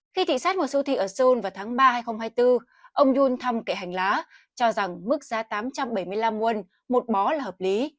khi thị sát một siêu thị ở seoul vào tháng ba hai nghìn hai mươi bốn ông yun thăm kệ hành lá cho rằng mức giá tám trăm bảy mươi năm won một bó là hợp lý